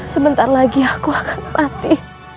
sebentar lagi aku akan mati